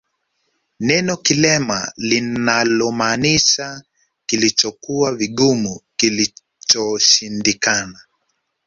Neno kilelema linalomaanisha kilichokuwa vigumu kilichoshindikana